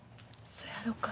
そやろか。